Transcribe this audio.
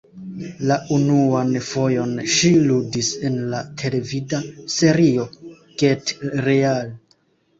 La unuan fojon ŝi ludis en la televida serio "Get Real".